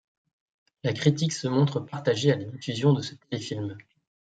La critique se montre partagée à la diffusion de ce téléfilm.